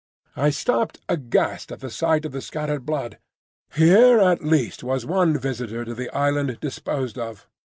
I stopped aghast at the sight of the scattered blood. Here at least was one visitor to the island disposed of!